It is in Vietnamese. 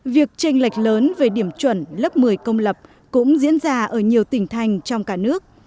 việc tranh lệch lớn về điểm chuẩn lớp một mươi công lập cũng diễn ra ở nhiều tỉnh thành trong cả nước